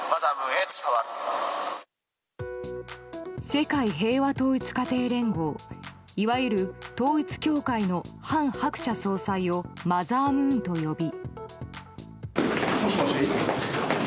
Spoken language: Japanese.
世界平和統一家庭連合いわゆる統一教会の韓鶴子総裁をマザームーンと呼び。